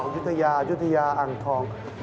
อ๋อยุธยายุธยาอังทอง